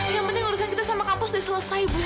yang penting urusan kita sama kampus udah selesai bu